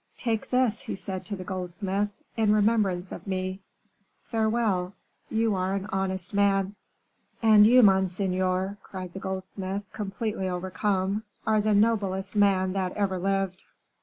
"Take this," he said to the goldsmith, "in remembrance of me. Farewell; you are an honest man." "And you, monseigneur," cried the goldsmith, completely overcome, "are the noblest man that ever lived."